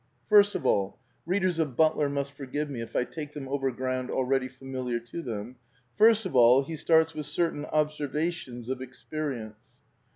First of all (readers of Butler must forgive me if I take them over ground already familiar to them), first of all he starts with certain observations of experience.